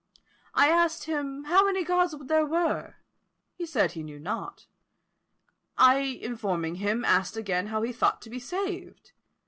I asked him how many Gods there were? He said he knew not. I informing him, asked again how he thought to be saved?